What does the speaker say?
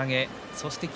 そして霧